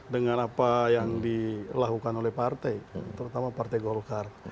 dengan apa yang dilakukan oleh partai terutama partai golkar